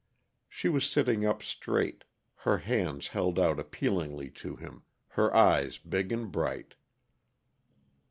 She was sitting up straight, her hands held out appealingly to him, her eyes big and bright.